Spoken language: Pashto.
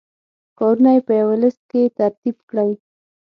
کارونه یې په یوه لست کې ترتیب کړئ.